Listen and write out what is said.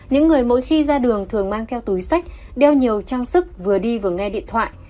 những người mỗi khi ra đường thường mang theo túi sách đeo nhiều trang sức vừa đi vừa nghe điện thoại